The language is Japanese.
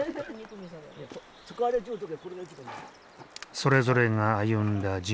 それぞれが歩んだ人生。